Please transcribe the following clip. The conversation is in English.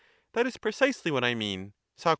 That is precisely what I mean. Soc.